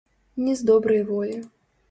Не з добрай волі.